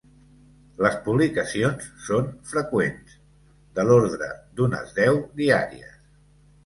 Les publicacions són freqüents, de l'ordre d'unes deu diàries.